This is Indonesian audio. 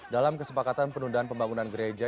dalam kesepakatan penundaan pembangunan gereja